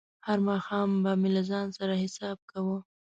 هر ماښام به مې له ځان سره حساب کاوه.